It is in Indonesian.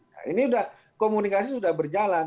nah ini sudah komunikasi sudah berjalan